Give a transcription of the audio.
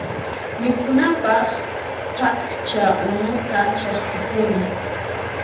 Mikhunapaqqa phaqcha unuta chaskikuna.